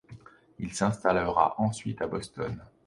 Il s'installera ensuite à Boston.